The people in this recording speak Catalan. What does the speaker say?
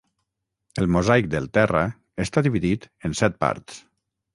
El mosaic del terra està dividit en set parts.